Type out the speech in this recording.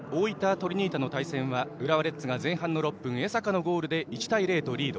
トリニータの対戦は浦和レッズが前半６分江坂のゴールで１対０とリード。